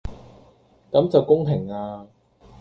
咁就公平呀